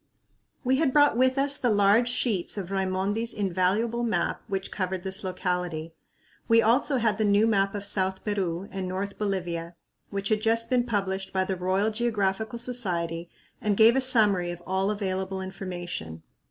We had brought with us the large sheets of Raimondi's invaluable map which covered this locality. We also had the new map of South Peru and North Bolivia which had just been published by the Royal Geographical Society and gave a summary of all available information.